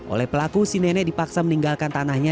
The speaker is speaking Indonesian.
oleh pelaku si nenek dipaksa meninggalkan tanahnya